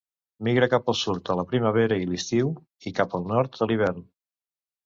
Migra cap al sud a la primavera i l'estiu, i cap al nord a l'hivern.